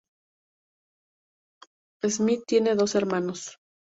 Smith tiene dos hermanos.